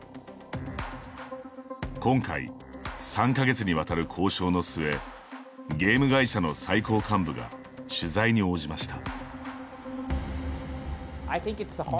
今回、３か月に渡る交渉の末ゲーム会社の最高幹部が取材に応じました。